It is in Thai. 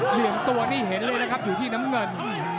เหลี่ยมตัวนี่เห็นเลยนะครับอยู่ที่น้ำเงิน